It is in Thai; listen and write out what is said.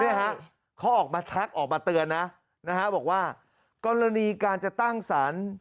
เนี่ยฮะเขาออกมาแท็กออกมาเตือนนะนะฮะบอกว่ากรณีการจะตั้งสาร